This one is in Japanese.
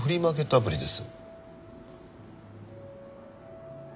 アプリです。